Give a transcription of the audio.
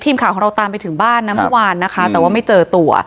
ทีมข่าวของเราตามไปถึงบ้านนะเมื่อวานนะคะแต่ว่าไม่เจอตัว